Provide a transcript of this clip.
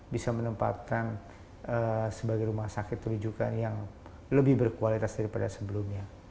bisa menempatkan sebagai rumah sakit rujukan yang lebih berkualitas daripada sebelumnya